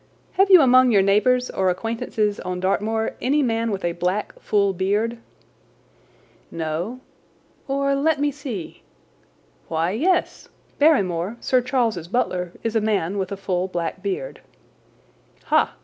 Have you among your neighbours or acquaintances on Dartmoor any man with a black, full beard?" "No—or, let me see—why, yes. Barrymore, Sir Charles's butler, is a man with a full, black beard." "Ha!